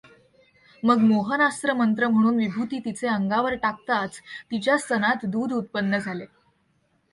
मग मोहनास्त्र मंत्र म्हणून विभूति तिचे अंगावर टाकताच, तिच्या स्तनात दूध उत्पन्न झाले.